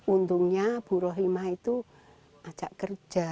untungnya bu rohimah itu ajak kerja